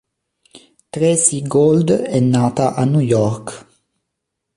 Tracey Gold è nata a New York.